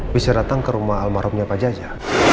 bisa datang ke rumah almarhumnya pak jaja